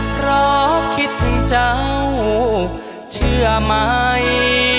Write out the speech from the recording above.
เพราะคิดถึงเจ้าเชื่อไหม